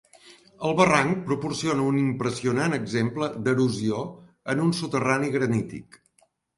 El barranc proporciona un impressionant exemple d'erosió en un soterrani granític.